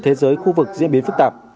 thế giới khu vực diễn biến phức tạp